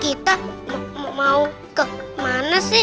kita mau kemana sih